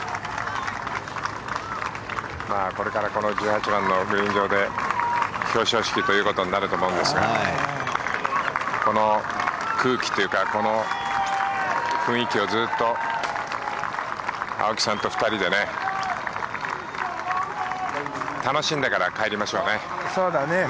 これからこの１８番のグリーン上で表彰式ということになると思うんですがこの空気というかこの雰囲気をずっと青木さんと２人で楽しんでから帰りましょうね。